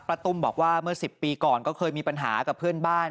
ตุ้มบอกว่าเมื่อ๑๐ปีก่อนก็เคยมีปัญหากับเพื่อนบ้าน